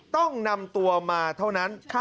ต้องนำตัวมาเท่านั้น